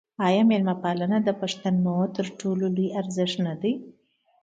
آیا میلمه پالنه د پښتنو تر ټولو لوی ارزښت نه دی؟